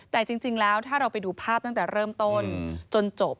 แต่จริงแล้วถ้าเราไปดูภาพตั้งแต่เริ่มต้นจนจบ